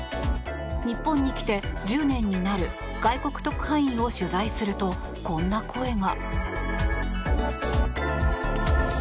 日本に来て１０年になる外国特派員を取材するとこんな声が。